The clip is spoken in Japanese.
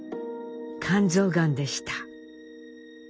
肝臓がんでした。